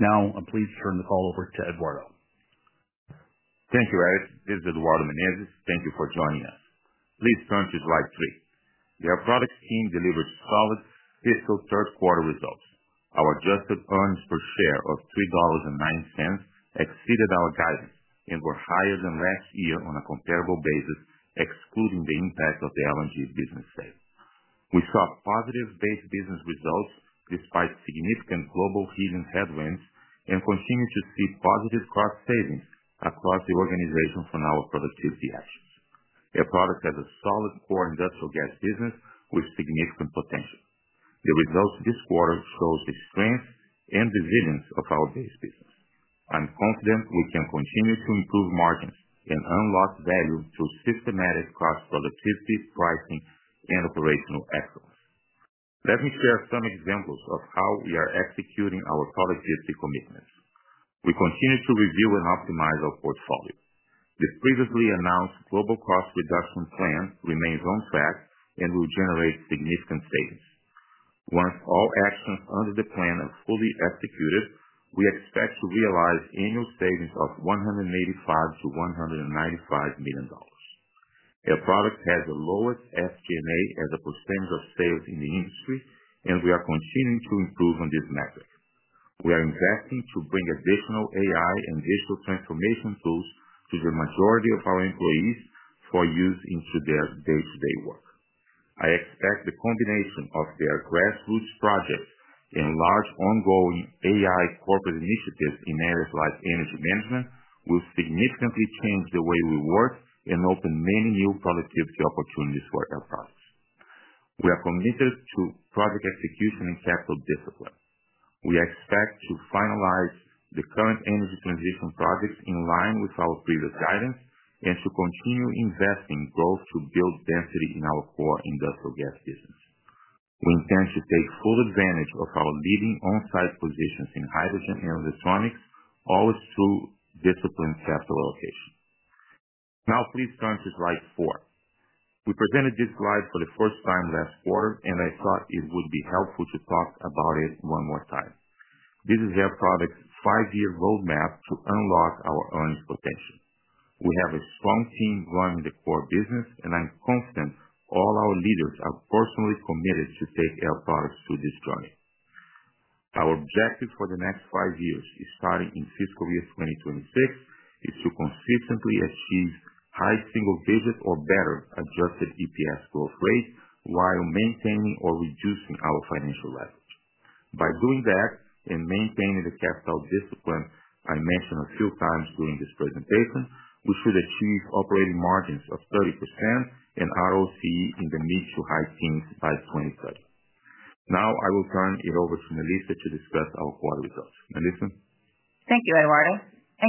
Now, please turn the call over to Eduardo Menezes. Thank you, Eric. This is Eduardo Menezes. Thank you for joining us. Please turn to slide three. The Air Products team delivered solid fiscal third-quarter results. Our adjusted EPS of $3.09 exceeded our guidance and were higher than last year on a comparable basis, excluding the impact of the LNG business sale. We saw positive base business results despite significant global heating headwinds and continue to see positive cost savings across the organization from our productivity actions. Air Products has a solid core industrial gas business with significant potential. The results this quarter show the strength and resilience of our base business. I'm confident we can continue to improve margins and unlock value through systematic cost productivity, pricing, and operational excellence. Let me share some examples of how we are executing our productivity commitments. We continue to review and optimize our portfolio. The previously announced global cost reduction plan remains on track and will generate significant savings. Once all actions under the plan are fully executed, we expect to realize annual savings of $185 to $195 million. Air Products has the lowest SG&A as a % of sales in the industry, and we are continuing to improve on this metric. We are investing to bring additional AI and digital transformation tools to the majority of our employees for use in their day-to-day work. I expect the combination of the Air Grassroots project and large ongoing AI corporate initiatives in areas like energy management will significantly change the way we work and open many new productivity opportunities for Air Products. We are committed to project execution and capital discipline. We expect to finalize the current energy transition projects in line with our previous guidance and to continue investing growth to build density in our core industrial gas business. We intend to take full advantage of our leading on-site positions in hydrogen and electronics, always through disciplined capital allocation. Now, please turn to slide four. We presented this slide for the first time last quarter, and I thought it would be helpful to talk about it one more time. This is Air Products' five-year roadmap to unlock our earnings potential. We have a strong team running the core business, and I'm confident all our leaders are personally committed to take Air Products through this journey. Our objective for the next five years, starting in fiscal year 2026, is to consistently achieve high single-digit or better adjusted EPS growth rate while maintaining or reducing our financial leverage. By doing that and maintaining the capital discipline I mentioned a few times during this presentation, we should achieve operating margins of 30% and ROCE in the mid to high teens by 2030. Now, I will turn it over to Melissa to discuss our quarter results. Melissa? Thank you, Eduardo.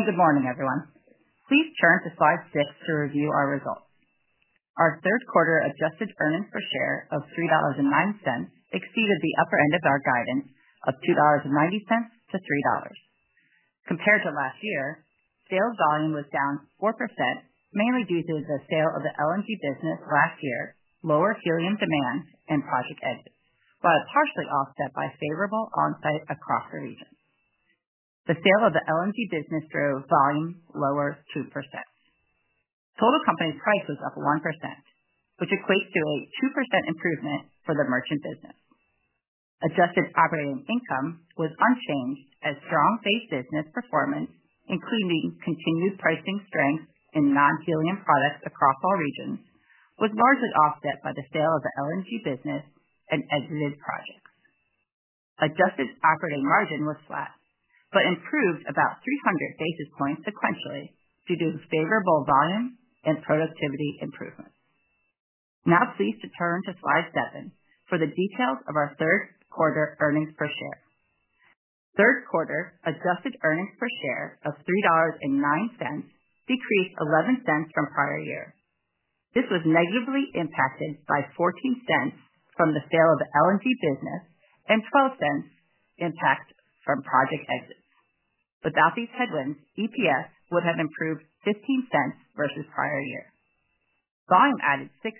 Good morning, everyone. Please turn to slide six to review our results. Our third-quarter adjusted EPS of $3.09 exceeded the upper end of our guidance of $2.90 to $3.00. Compared to last year, sales volume was down 4%, mainly due to the sale of the LNG business last year, lower helium demand, and project exits, while partially offset by favorable on-site across the region. The sale of the LNG business drove volume lower 2%. Total company price was up 1%, which equates to a 2% improvement for the merchant business. Adjusted operating income was unchanged as strong base business performance, including continued pricing strength in non-helium products across all regions, was largely offset by the sale of the LNG business and exited projects. Adjusted operating margin was flat but improved about 300 basis points sequentially due to favorable volume and productivity improvements. Now, please turn to slide seven for the details of our third-quarter EPS. Third-quarter adjusted EPS of $3.09 decreased $0.11 from prior year. This was negatively impacted by $0.14 from the sale of the LNG business and $0.12 impact from project exits. Without these headwinds, EPS would have improved $0.15 versus prior year. Volume added $0.06,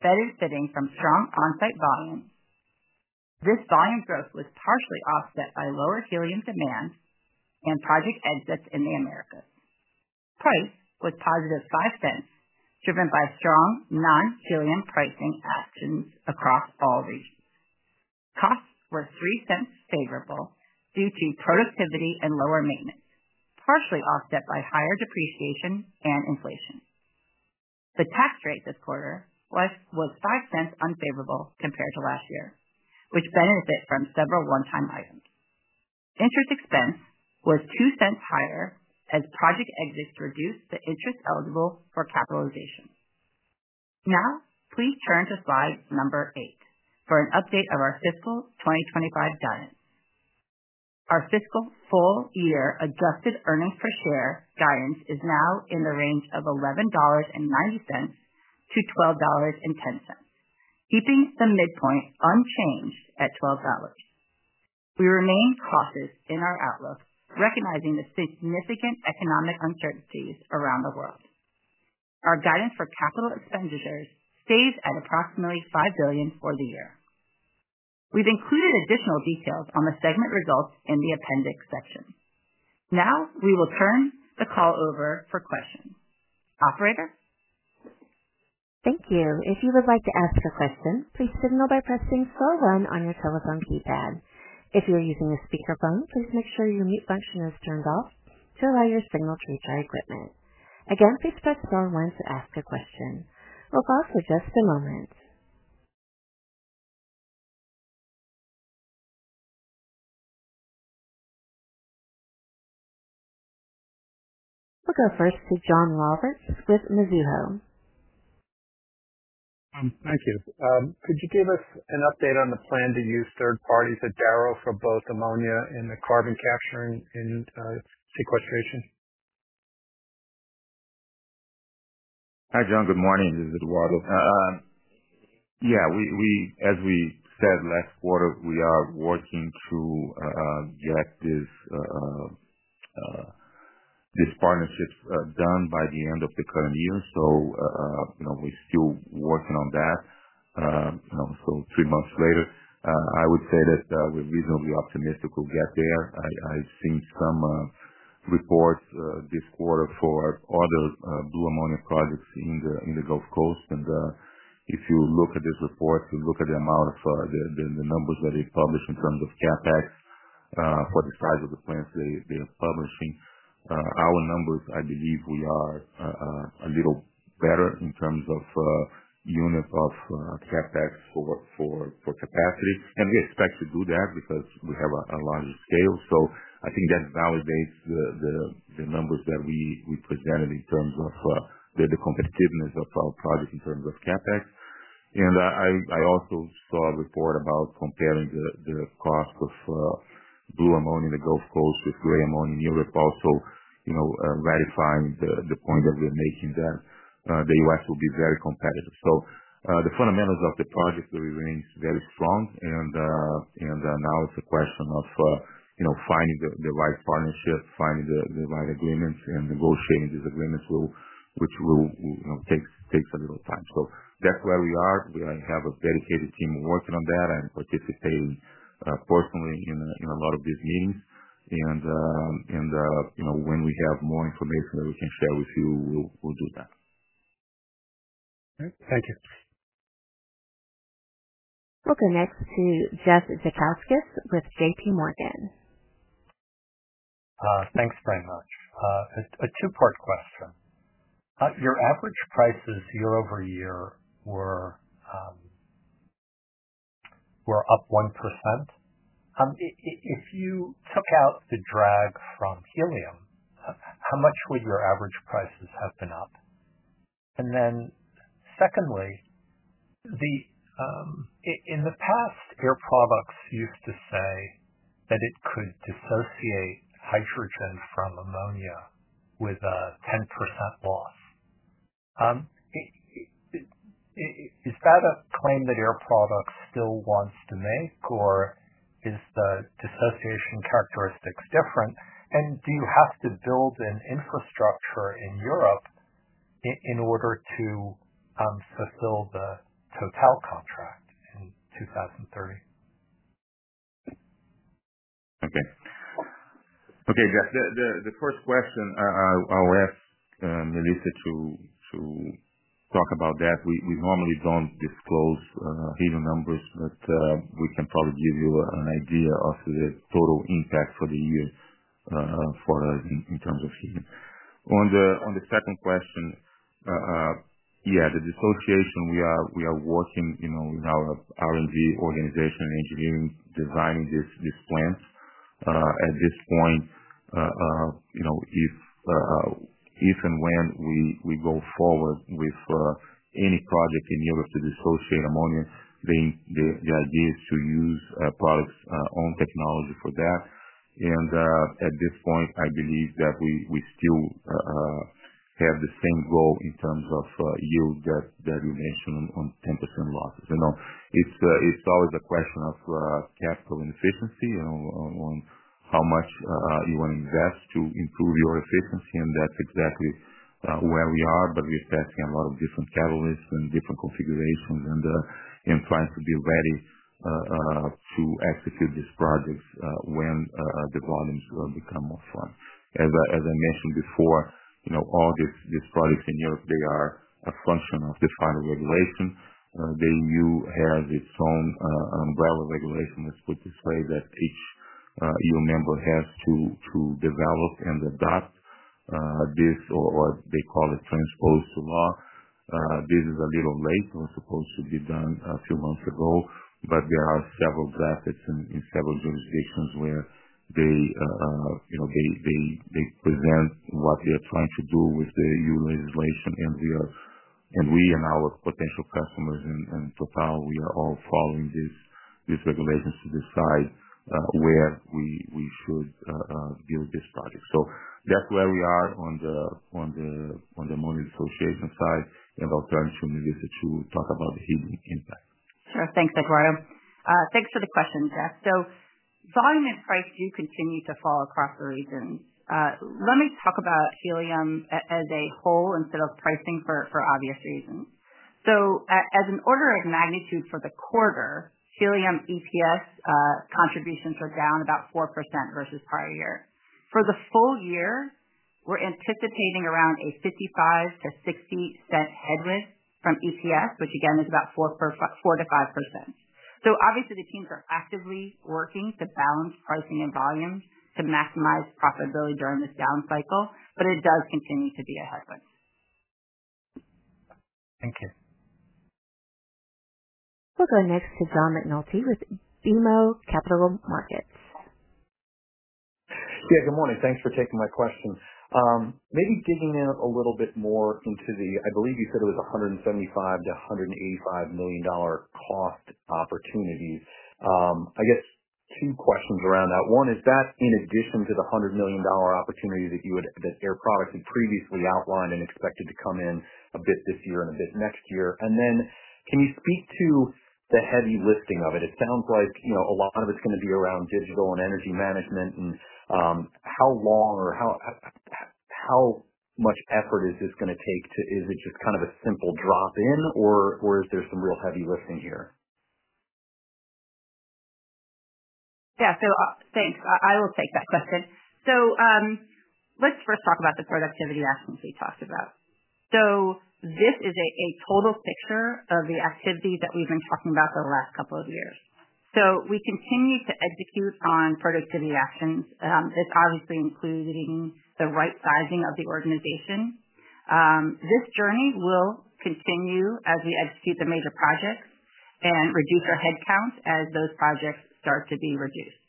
better fitting from strong on-site volume. This volume growth was partially offset by lower helium demand and project exits in the America. Price was positive $0.05, driven by strong non-helium pricing actions across all regions. Costs were $0.03 favorable due to productivity and lower maintenance, partially offset by higher depreciation and inflation. The tax rate this quarter was $0.05, unfavorable compared to last year, which benefit from several one-time items. Interest expense was $0.02 higher as project exits reduced the interest eligible for capitalization. Now, please turn to slide number eight for an update of our fiscal 2025 guidance. Our fiscal full-year adjusted EPS guidance is now in the range of $11.90 to $12.10, keeping the midpoint unchanged at $12. We remain cautious in our outlook, recognizing the significant economic uncertainties around the world. Our guidance for CapEx stays at approximately $5 billion for the year. We've included additional details on the segment results in the appendix section. Now, we will turn the call over for questions. Operator? Thank you. If you would like to ask a question, please signal by pressing star one on your telephone keypad. If you're using a speakerphone, please make sure your mute function is turned off to allow your signal to reach our equipment. Again, please press star one to ask a question. We'll pause for just a moment. We'll go first to John Roberts with Mizuho. Thank you. Could you give us an update on the plan to use third parties at DARO blue ammonia and carbon capture project for both ammonia and the carbon capturing and sequestration? Hi, John. Good morning. This is Eduardo. Yeah. As we said last quarter, we are working to get this partnership done by the end of the current year. We're still working on that. Also, three months later, I would say that we're reasonably optimistic we'll get there. I've seen some reports this quarter for other blue ammonia projects in the Gulf Coast. If you look at this report, you look at the amount of the numbers that they published in terms of CapEx for the size of the plants they are publishing, our numbers, I believe, we are a little better in terms of unit of CapEx for capacity. We expect to do that because we have a larger scale. I think that validates the numbers that we presented in terms of the competitiveness of our project in terms of CapEx. I also saw a report about comparing the cost of blue ammonia in the Gulf Coast with gray ammonia in Europe, also ratifying the point that we're making that the U.S. will be very competitive. The fundamentals of the project will remain very strong. Now it's a question of finding the right partnership, finding the right agreements, and negotiating these agreements, which takes a little time. That's where we are. We have a dedicated team working on that. I'm participating personally in a lot of these meetings. When we have more information that we can share with you, we'll do that. All right. Thank you. We'll go next to Jeff Zekauskas with JPMorgan. Thanks very much. A two-part question. Your average prices year over year were up 1%. If you took out the drag from helium, how much would your average prices have been up? Secondly, in the past, Air Productss used to say that it could dissociate hydrogen from ammonia with a 10% loss. Is that a claim that Air Products still wants to make, or is the dissociation characteristics different? Do you have to build an infrastructure in Europe in order to fulfill the total contract in 2030? Okay, Jeff. The first question I'll ask Melissa to talk about that. We normally don't disclose helium numbers, but we can probably give you an idea of the total impact for the year for us in terms of helium. On the second question, the dissociation, we are working with our R&D organization and engineering designing this plant. At this point, if and when we go forward with any project in Europe to dissociate ammonia, the idea is to use Air Products' own technology for that. At this point, I believe that we still have the same goal in terms of yield that you mentioned on 10% losses. It's always a question of capital inefficiency on how much you want to invest to improve your efficiency, and that's exactly where we are. We're testing a lot of different catalysts and different configurations and trying to be ready to execute these projects when the volumes become more fun. As I mentioned before, all these projects in Europe are a function of the final regulation. The EU has its own umbrella regulation, let's put it this way, that each EU member has to develop and adopt. This, or they call it transpose to law. This is a little late. It was supposed to be done a few months ago, but there are several drafts in several jurisdictions where they present what they are trying to do with the EU legislation. We and our potential customers in total, we are all following these regulations to decide where we should build this project. That's where we are on the ammonia dissociation side and, alternative, Melissa, to talk about the helium impact. Sure. Thanks, Eduardo. Thanks for the question, Jeff. Volume and price do continue to fall across the regions. Let me talk about helium as a whole instead of pricing for obvious reasons. As an order of magnitude for the quarter, helium EPS contributions were down about 4% versus prior year. For the full year, we're anticipating around a $0.55 to $0.60 headwind from EPS, which again is about 4% to 5%. The teams are actively working to balance pricing and volumes to maximize profitability during this down cycle, but it does continue to be a headwind. Thank you. We'll go next to John McNulty with BMO Capital Markets. Yeah, good morning. Thanks for taking my question. Maybe digging in a little bit more into the, I believe you said it was $175 million to $185 million cost opportunities. I guess two questions around that. One, is that in addition to the $100 million opportunity that Air Products had previously outlined and expected to come in a bit this year and a bit next year? Can you speak to the heavy lifting of it? It sounds like a lot of it's going to be around digital and energy management. How long or how much effort is this going to take? Is it just kind of a simple drop-in, or is there some real heavy lifting here? Yeah. Thanks. I will take that question. Let's first talk about the productivity actions we talked about. This is a total picture of the activity that we've been talking about the last couple of years. We continue to execute on productivity actions. This obviously includes the right sizing of the organization. This journey will continue as we execute the major projects and reduce our headcount as those projects start to be reduced.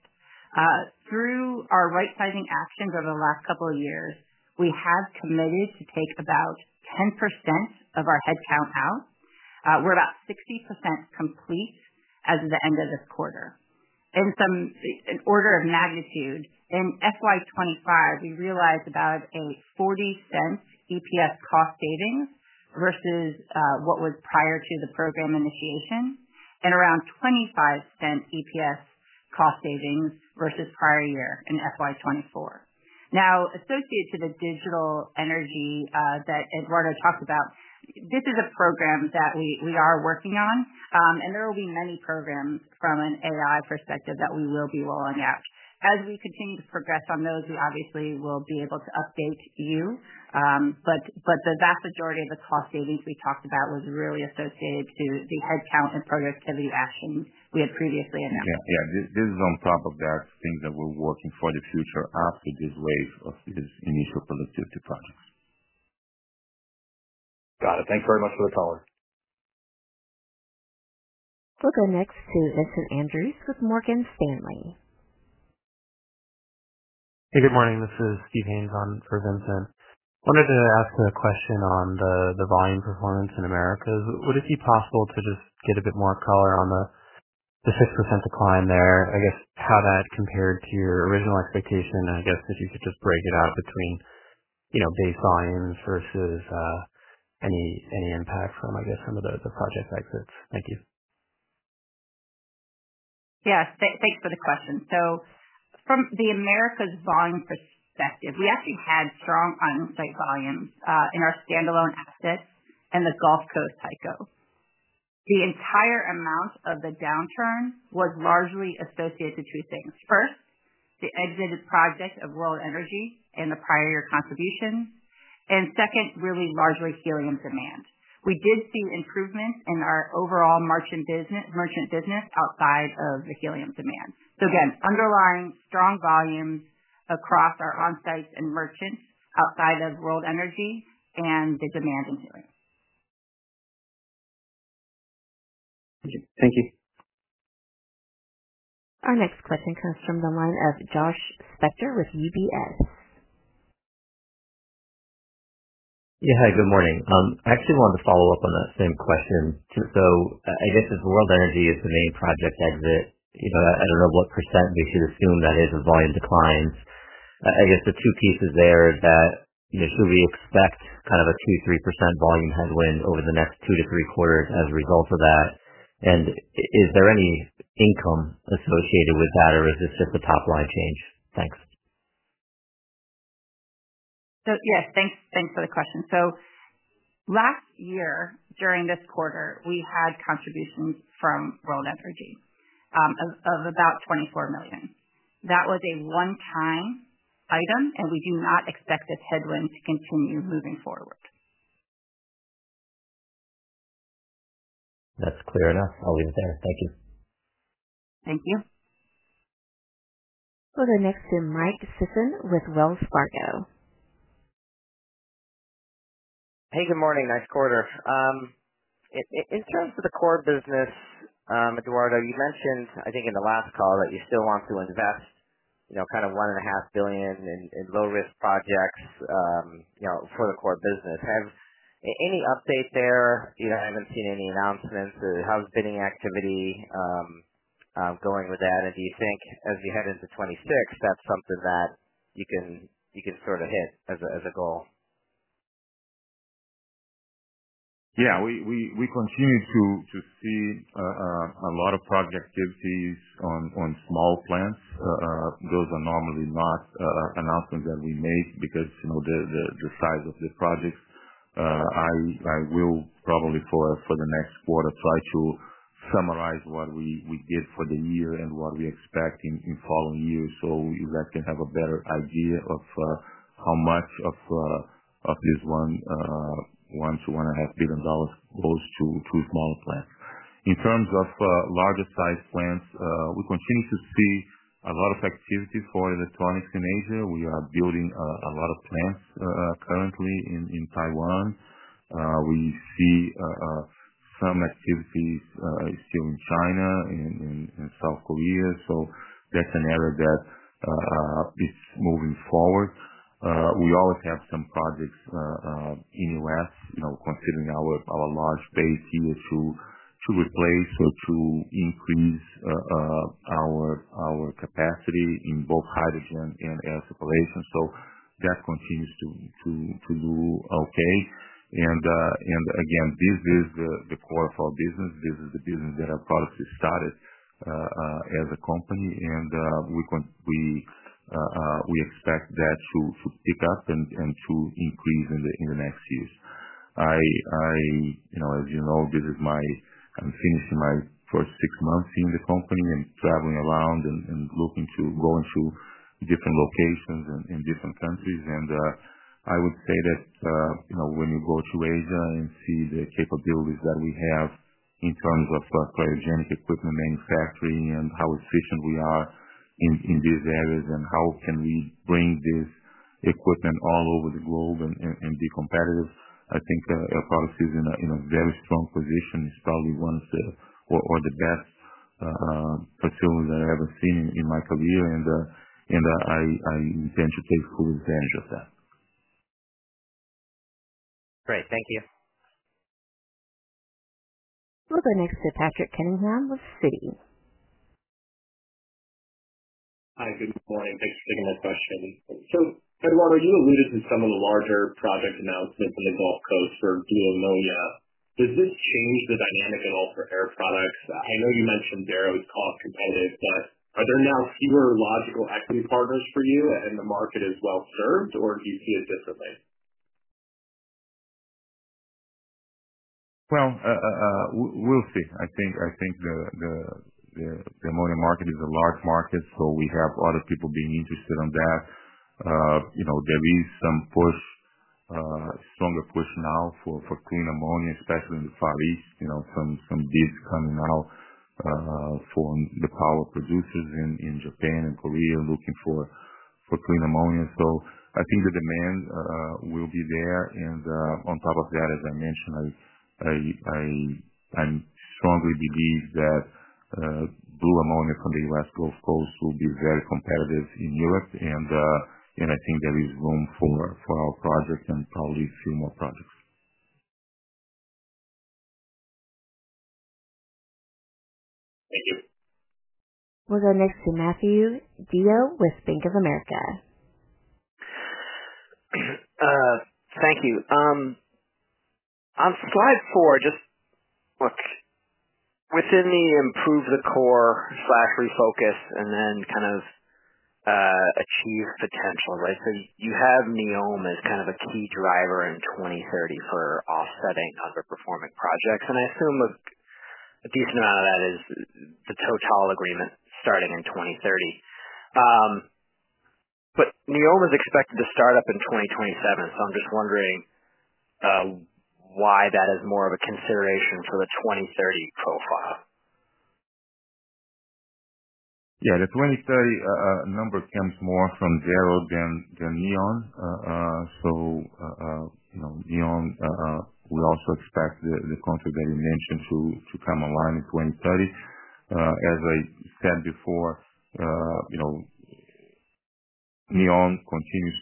Through our right-sizing actions over the last couple of years, we have committed to take about 10% of our headcount out. We're about 60% complete as of the end of this quarter. In order of magnitude, in FY2025, we realized about a $0.40 EPS cost savings versus what was prior to the program initiation and around a $0.25 EPS cost savings versus prior year in FY2024. Now, associated to the digital energy that Eduardo Menezes talked about, this is a program that we are working on. There will be many programs from an AI perspective that we will be rolling out. As we continue to progress on those, we obviously will be able to update you. The vast majority of the cost savings we talked about was really associated to the headcount and productivity actions we had previously announced. Yeah. This is on top of that thing that we're working for the future after this wave of these initial productivity projects. Got it. Thanks very much for the call. We'll go next to Andrews with Morgan Stanley. Hey, good morning. This is Steve Haynes on for Vincent. Wanted to ask a question on the volume performance in America. Would it be possible to just get a bit more color on the 6% decline there, I guess, how that compared to your original expectation? I guess if you could just break it out between base volumes versus any impact from, I guess, some of the project exits. Thank you. Thank you for the question. From the Americas volume perspective, we actually had strong on-site volumes in our standalone assets and the Gulf Coast cycle. The entire amount of the downturn was largely associated with two things. First, the exited project of World Energy and the prior year contribution. Second, really largely helium demand. We did see improvements in our overall merchant business outside of the helium demand. Again, underlying strong volumes across our on-site and merchants outside of World Energy and the demand in helium. Thank you. Our next question comes from the line of Josh Spector with UBS. Yeah. Hi, good morning. I actually wanted to follow up on that same question. If World Energy is the main project exit, I don't know what % we should assume that is of volume declines. The two pieces there are that should we expect kind of a 2% to 3% volume headwind over the next two to three quarters as a result of that? Is there any income associated with that, or is this just a top-line change? Thanks. Yes, thanks for the question. Last year, during this quarter, we had contributions from World Energy of about $24 million. That was a one-time item, and we do not expect this headwind to continue moving forward. That's clear enough. I'll leave it there. Thank you. Thank you. We'll go next to Michael Sison with Wells Fargo. Hey, good morning. Nice quarter. In terms of the core business, Eduardo, you mentioned, I think, in the last call that you still want to invest, kind of $1.5 billion in low-risk projects for the core business. Any update there? I haven't seen any announcements. How's bidding activity going with that? Do you think, as we head into 2026, that's something that you can sort of hit as a goal? Yeah. We continue to see a lot of project activities on small plants. Those are normally not announcements that we make because of the size of the projects. I will probably, for the next quarter, try to summarize what we did for the year and what we expect in the following year, so that you can have a better idea of how much of this $1 billion to $1.5 billion goes to small plants. In terms of larger-sized plants, we continue to see a lot of activity for electronics in Asia. We are building a lot of plants currently in Taiwan. We see some activities still in China and South Korea. That's an area that is moving forward. We always have some projects in the U.S., considering our large base here to replace or to increase our capacity in both hydrogen and air circulation. That continues to do okay. This is the core of our business. This is the business that Air Products started as a company. We expect that to pick up and to increase in the next years. As you know, this is my first six months in the company, and traveling around and going to different locations in different countries. I would say that when you go to Asia and see the capabilities that we have in terms of cryogenic equipment manufacturing and how efficient we are in these areas and how we can bring this equipment all over the globe and be competitive, I think Air Products is in a very strong position. It's probably one of the or the best facilities I've ever seen in my career. I intend to take full advantage of that. Great. Thank you. We'll go next to Patrick Cunningham with Citi. Hi, good morning. Thanks for taking my question. Eduardo, you alluded to some of the larger project announcements in the Gulf Coast for blue ammonia. Does this change the dynamic at all for Air Products? I know you mentioned it was cost competitive, but are there now fewer logical equity partners for you, and the market is well served, or do you see it differently? I think the ammonia market is a large market, so we have other people being interested in that. There is some push, stronger push now for clean ammonia, especially in the Far East. Some bids coming out for the power producers in Japan and Korea, looking for clean ammonia. I think the demand will be there. On top of that, as I mentioned, I strongly believe that blue ammonia from the U.S. Gulf Coast will be very competitive in Europe. I think there is room for our project and probably a few more projects. Thank you. We'll go next to Matthew DeYoe with Bank of America. Thank you. On slide four, just look within the improve the core/refocus and then kind of achieve potential, right? You have NEOM as kind of a key driver in 2030 for offsetting underperforming projects. I assume a decent amount of that is the total agreement starting in 2030. NEOM is expected to start up in 2027, so I'm just wondering why that is more of a consideration for the 2030 profile. Yeah. The 2030 number comes more from zero than NEOM. NEOM, we also expect the country that you mentioned to come online in 2030. As I said before, NEOM continues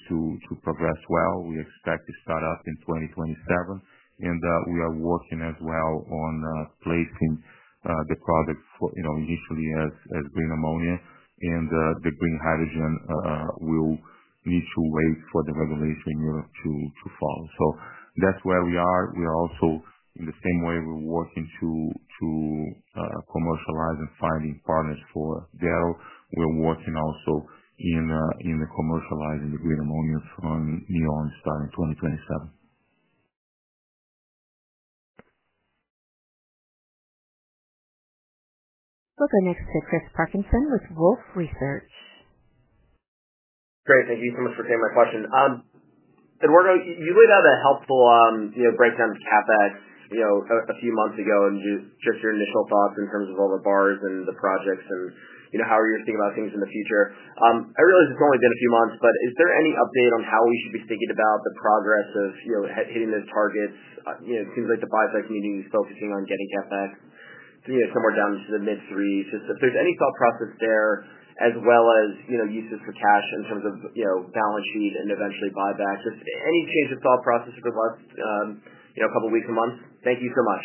to progress well. We expect to start up in 2027, and we are working as well on placing the product initially as green ammonia. The green hydrogen will need to wait for the regulation in Europe to follow. That's where we are. We are also, in the same way, working to commercialize and finding partners for that. We're working also in commercializing the green ammonia from NEOM starting 2027. We'll go next to Chris Parkinson with Wolfe Research. Great. Thank you so much for taking my question. Eduardo, you laid out a helpful breakdown of CapEx a few months ago, and just your initial thoughts in terms of all the bars and the projects and how you're thinking about things in the future. I realize it's only been a few months, but is there any update on how we should be thinking about the progress of hitting those targets? It seems like the buy-side community is focusing on getting CapEx somewhere down to the mid-$3 billion. If there's any thought process there as well as uses for cash in terms of balance sheet and eventually buy-back, just any change of thought process over the last couple of weeks and months? Thank you so much.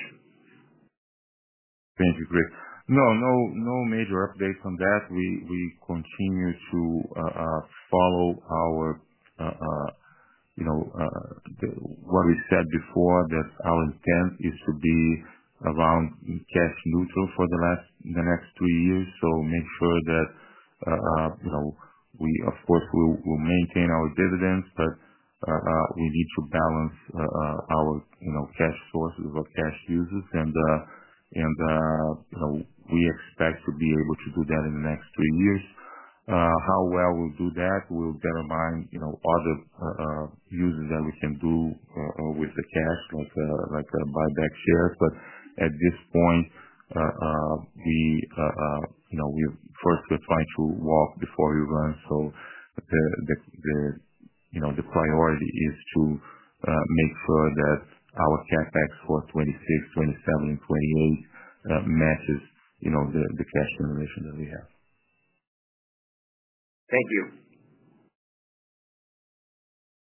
Thank you. Great. No major updates on that. We continue to follow what we said before, that our intent is to be around cash neutral for the next three years. We, of course, will maintain our dividends, but we need to balance our cash sources or cash users. We expect to be able to do that in the next three years. How well we'll do that will determine other uses that we can do with the cash, like buy-back shares. At this point, we're trying to walk before we run. The priority is to make sure that our CapEx for 2026, 2027, and 2028 matches the cash generation that we have. Thank you.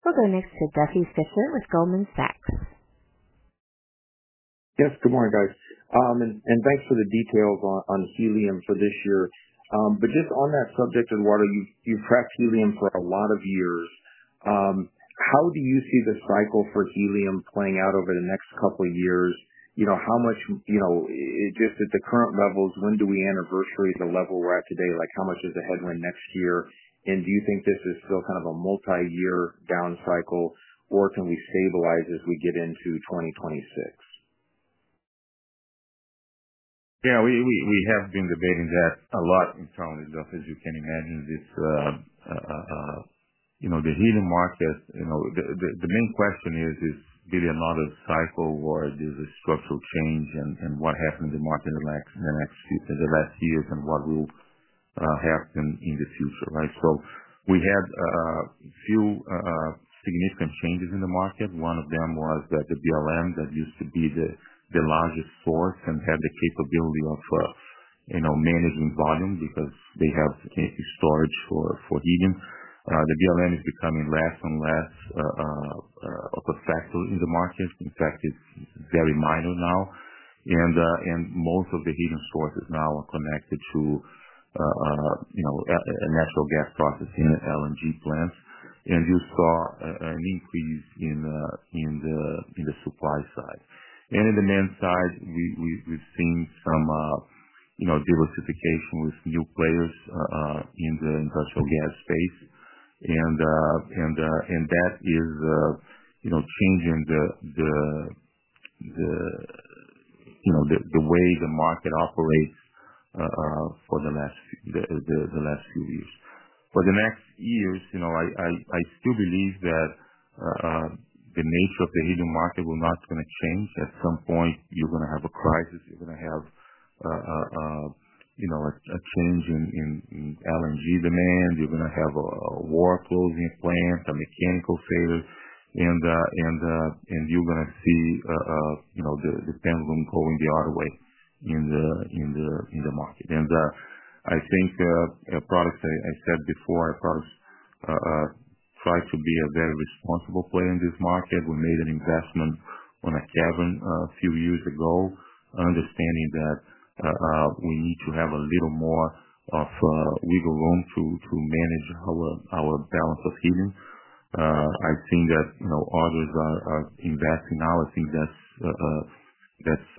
We'll go next to Duffy Fischer with Goldman Sachs. Yes. Good morning, guys. Thanks for the details on helium for this year. Just on that subject, Eduardo, you've prepped helium for a lot of years. How do you see the cycle for helium playing out over the next couple of years? How much, just at the current levels, when do we anniversary the level we're at today? How much is the headwind next year? Do you think this is still kind of a multi-year down cycle, or can we stabilize as we get into 2026? Yeah. We have been debating that a lot. As you can imagine, it's the helium market. The main question is, is there a lot of cycle or is there a structural change in what happened in the market in the last years and what will happen in the future, right? We had a few significant changes in the market. One of them was that the BLM, that used to be the largest source and had the capability of managing volume because they have storage for helium, is becoming less and less a factor in the market. In fact, it's very minor now. Most of the helium sources now are connected to natural gas processing and LNG Plants. You saw an increase in the supply side. On the demand side, we've seen some diversification with new players in the industrial gas space. That is changing the way the market operates for the last few years. For the next years, I still believe that the nature of the helium market is not going to change. At some point, you're going to have a crisis. You're going to have a change in LNG demand. You're going to have a war closing a plant, a mechanical failure. You're going to see the pendulum going the other way in the market. I think, as I said before, Air Products tries to be a very responsible player in this market. We made an investment on a cavern a few years ago, understanding that we need to have a little more wiggle room to manage our balance of helium. I think that others are investing now. I think that's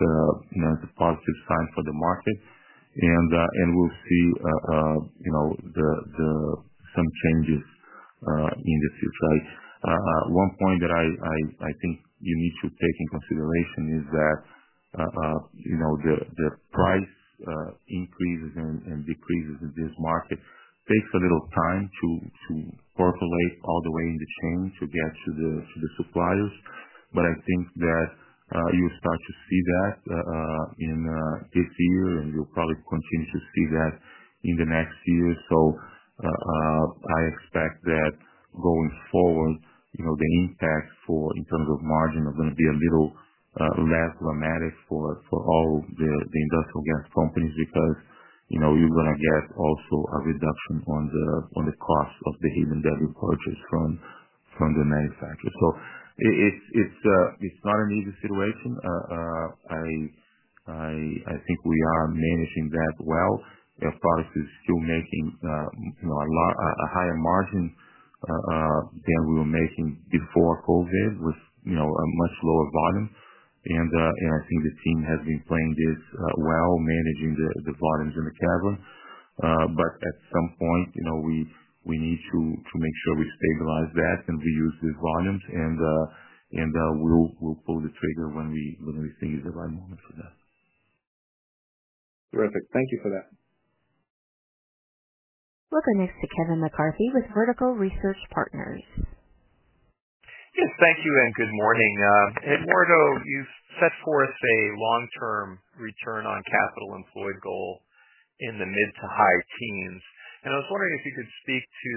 a positive sign for the market. We'll see some changes in the future. One point that I think you need to take into consideration is that the price increases and decreases in this market take a little time to percolate all the way in the chain to get to the suppliers. I think that you'll start to see that in this year, and you'll probably continue to see that in the next year. I expect that going forward, the impact in terms of margin is going to be a little less dramatic for all the industrial gas companies because you're going to get also a reduction on the cost of the helium that you purchase from the manufacturers. It's not an easy situation. I think we are managing that well. Air Products is still making a higher margin than we were making before COVID, with a much lower volume. I think the team has been playing this well, managing the volumes in the cavern. At some point, we need to make sure we stabilize that and reuse the volumes. We'll pull the trigger when we think it's the right moment for that. Terrific. Thank you for that. We'll go next to Kevin McCarthy with Vertical Research Partners. Yes. Thank you. And good morning. Eduardo, you've set forth a long-term return on capital employed goal in the mid to high teens. I was wondering if you could speak to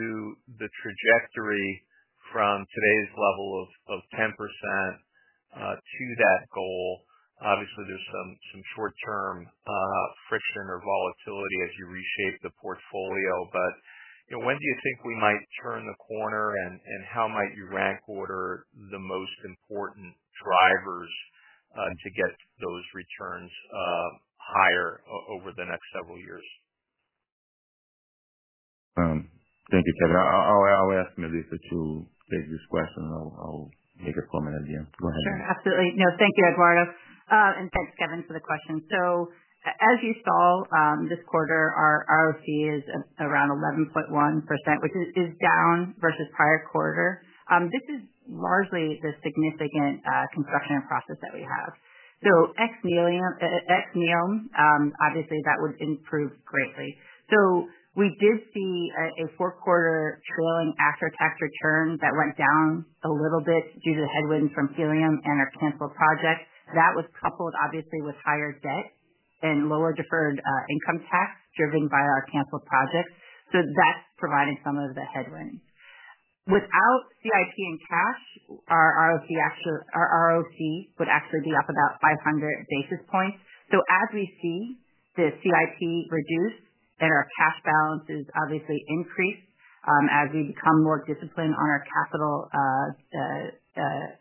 the trajectory from today's level of 10% to that goal. Obviously, there's some short-term friction or volatility as you reshape the portfolio. When do you think we might turn the corner, and how might you rank-order the most important drivers to get those returns higher over the next several years? Thank you, Kevin. I'll ask Melissa to take this question. I'll make a comment at the end. Go ahead. Sure. Absolutely. No, thank you, Eduardo. And thanks, Kevin, for the question. As you saw this quarter, our ROCE is around 11.1%, which is down versus prior quarter. This is largely the significant construction process that we have. Ex. NEOM, obviously, that would improve greatly. We did see a four-quarter trailing after-tax return that went down a little bit due to the headwinds from helium and our canceled projects. That was coupled, obviously, with higher debt and lower deferred income tax driven by our canceled projects. That's providing some of the headwinds. Without CIP and cash, our ROCE would actually be up about 500 basis points. As we see the CIP reduce and our cash balances, obviously, increase as we become more disciplined on our capital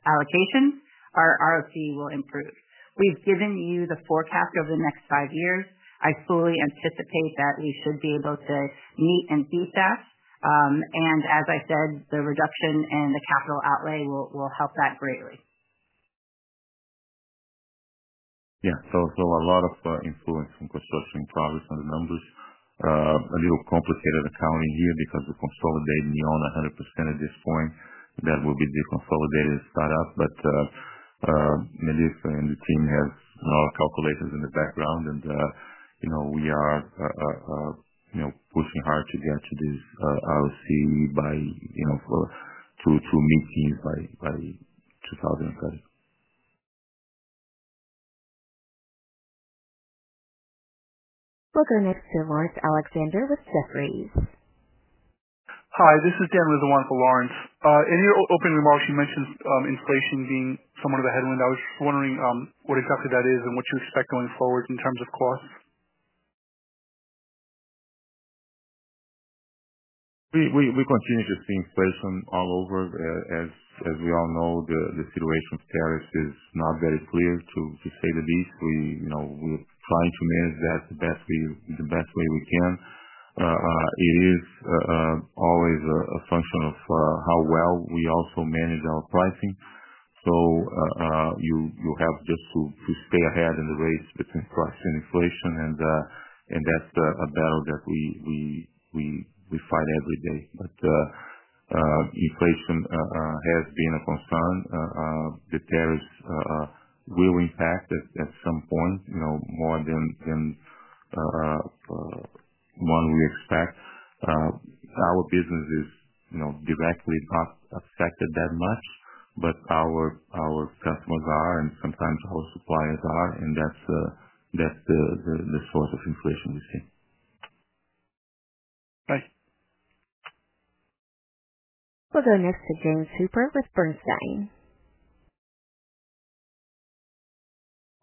allocation, our ROCE will improve. We've given you the forecast over the next five years. I fully anticipate that we should be able to meet and beat that. As I said, the reduction and the capital outlay will help that greatly. Yeah. A lot of influence from construction progress on the numbers. A little complicated accounting here because we consolidate NEOM 100% at this point. That will be de-consolidated at startup. Melissa and the team have our calculators in the background. We are pushing hard to get to this ROCE by two meetings by 2030. We'll go next to Lawrence Alexander with Jefferies. Hi. This is Dan for Lawrence. In your opening remarks, you mentioned inflation being somewhat of a headwind. I was just wondering what exactly that is and what you expect going forward in terms of costs. We continue to see inflation all over. As we all know, the situation status is not very clear, to say the least. We're trying to manage that the best way we can. It is always a function of how well we also manage our pricing. You have just to stay ahead in the race between price and inflation. That's a battle that we fight every day. Inflation has been a concern. The tariffs will impact at some point more than we expect. Our business is directly not affected that much, but our customers are, and sometimes our suppliers are. That's the source of inflation we see. Thanks. We'll go next to James Hooper with Bernstein.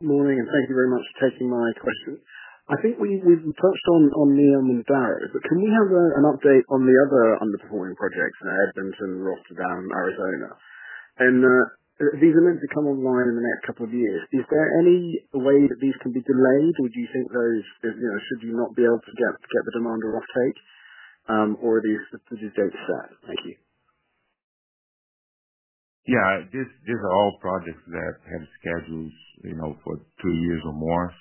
Good morning. Thank you very much for taking my question. I think we've touched on NEOM and DARO. Can we have an update on the other underperforming projects in Edmonton, Rotterdam, and Arizona? These are meant to come online in the next couple of years. Is there any way that these can be delayed, or do you think those should you not be able to get the demand or off-take, or are these date-set? Thank you. Yeah. These are all projects that have schedules for two years or more.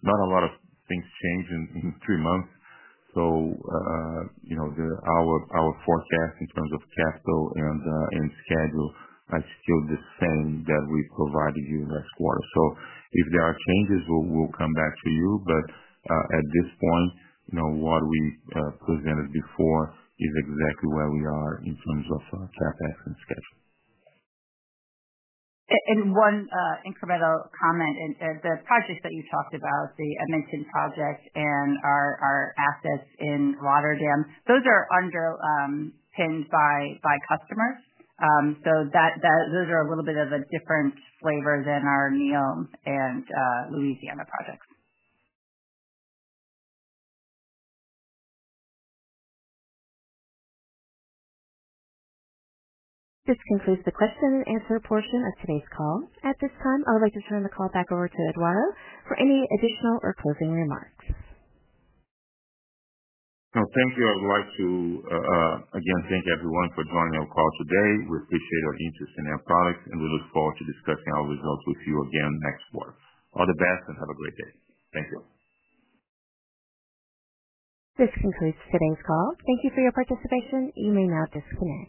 Not a lot of things change in three months. Our forecast in terms of capital and schedule is still the same that we provided you last quarter. If there are changes, we'll come back to you. At this point, what we presented before is exactly where we are in terms of CapEx and schedule. One incremental comment. The projects that you talked about, the Edmonton project and our assets in Rotterdam, are underpinned by customers. Those are a little bit of a different flavor than our NEOM and Louisiana projects. This concludes the question and answer portion of today's call. At this time, I would like to turn the call back over to Eduardo Menezes for any additional or closing remarks. Thank you. I would like to again thank everyone for joining our call today. We appreciate your interest in Air Products, and we look forward to discussing our results with you again next quarter. All the best and have a great day. Thank you. This concludes today's call. Thank you for your participation. You may now disconnect.